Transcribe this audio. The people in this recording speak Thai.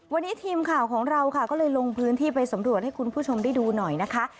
วันนี้ทีมข่าวของเราค่ะก็เลยลงพื้นที่ไปสำรวจให้คุณผู้ชมได้ดูหน่อยนะคะ